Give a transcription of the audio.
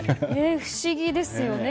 不思議ですよね。